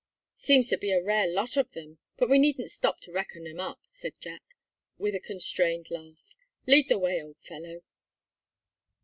"Seems to be a rare lot of them; but we needn't stop to reckon 'em up," said Jack, with a constrained laugh. "Lead the way, old fellow."